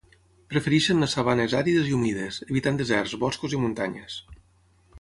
Prefereixen les sabanes àrides i humides, evitant deserts, boscos i muntanyes.